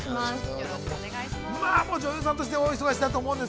よろしくお願いします。